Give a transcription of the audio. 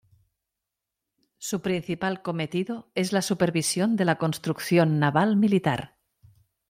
Su principal cometido es la supervisión de la construcción naval-militar.